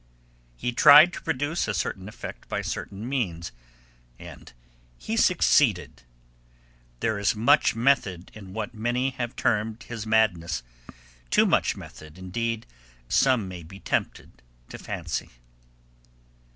He tried to produce a certain effect by certain means and he succeeded. There is much method in what many have termed his madness, too much method, indeed, some may be tempted to fancy.